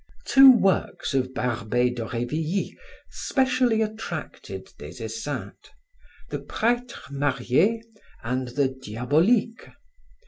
Two works of Barbey d'Aurevilly specially attracted Des Esseintes, the Pretre marie and the Diaboliques.